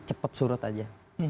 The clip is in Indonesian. cepat surut aja